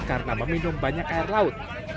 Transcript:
karena meminum banyak air laut